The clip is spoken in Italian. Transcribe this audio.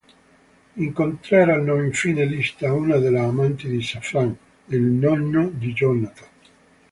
Incontreranno infine Lista, una delle amanti di Safran, il nonno di Jonathan.